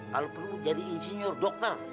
kalau perlu jadi insinyur dokter